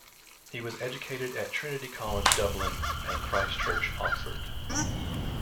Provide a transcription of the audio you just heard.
He was educated at Trinity College, Dublin and Christ Church, Oxford.